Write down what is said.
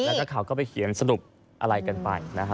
และก็เขาก็ไปเขียนสรุปอะไรกันไปนะฮะ